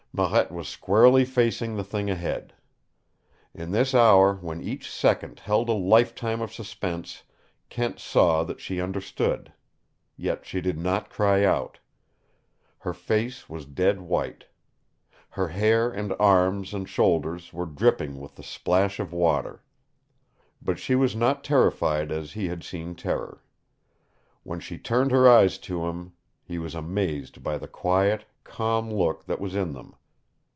Marette was squarely facing the thing ahead. In this hour when each second held a lifetime of suspense Kent saw that she understood. Yet she did not cry out. Her face was dead white. Her hair and arms and shoulders were dripping with the splash of water. But she was not terrified as he had seen terror. When she turned her eyes to him, he was amazed by the quiet, calm look that was in them.